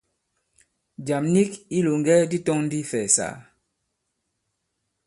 Jàm nik i ilòŋgɛ di tɔ̄ŋ ndi ifɛ̀ɛ̀sàgà.